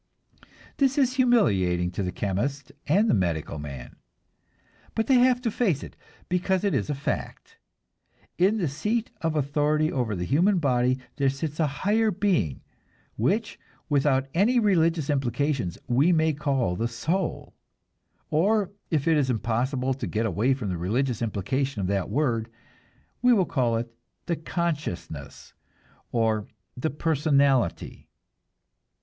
This is humiliating to the chemist and the medical man, but they have to face it, because it is a fact. In the seat of authority over the human body there sits a higher being which, without any religious implications, we may call the soul; or, if it is impossible to get away from the religious implication of that word, we will call it the consciousness, or the personality.